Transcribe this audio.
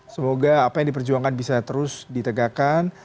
semoga apa yang diperjuangkan bisa terus ditegakkan